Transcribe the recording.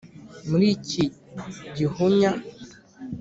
Muri iki gihunya,